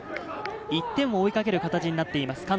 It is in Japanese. １点を追いかける形になっています